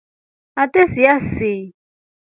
Ate siasii.